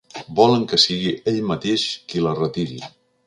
Volen que sigui ell mateix qui la retiri.